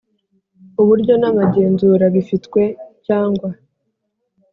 Uburyo N Amagenzura Bifitwe Cyangwa